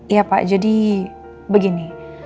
ya pak jadi begini